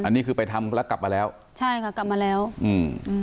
อันนี้คือไปทำแล้วกลับมาแล้วใช่ค่ะกลับมาแล้วอืม